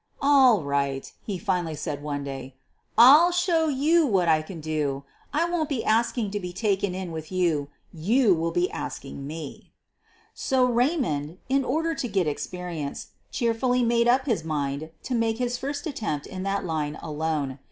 "All right," he finally said one day. "I'll show you what I can do — I won't be asking to be taken in with you; you will be asking me." QUEEN OF THE BUEGLARS 41 So Raymond, in order to get experience, cheer fully made up his mind to make his first attempt in that line alone.